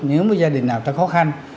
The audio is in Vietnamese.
nếu mà gia đình nào ta khó khăn